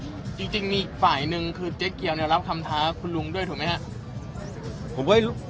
จริงมีอีกฝ่ายหนึ่งคือเจ๊เกียวเนี่ยรับคำท้าคุณลุงด้วยถูกไหมครับ